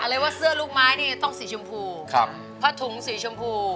กะเลยว่าเสื้อลูกม้ายเนี้ยต้องสีชมพูครับพัดถุงสีชมพู